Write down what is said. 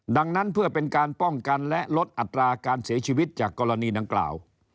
ดังนั้นเพื่อเป็นการป้องกันและลดอัตราการเสียชีวิตจากกรณีดังกล่าว